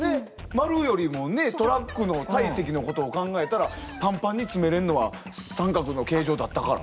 丸よりもねトラックの体積のことを考えたらパンパンに詰めれんのは三角の形状だったから。